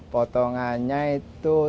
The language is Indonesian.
potongannya itu tiga puluh lima